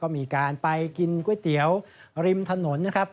มีการกินก๋วยเตี๋ยวริมถนน